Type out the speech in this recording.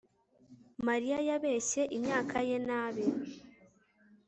mariya yabeshye imyaka ye nabi